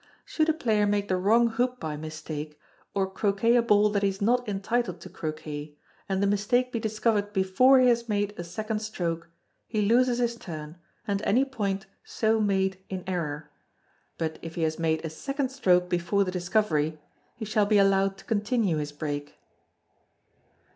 Should a player make the wrong hoop by mistake, or Croquet a ball that he is not entitled to Croquet, and the mistake be discovered before he has made a second stroke, he loses his turn, and any point so made in error; but if he has made a second stroke before the discovery, he shall be allowed to continue his break.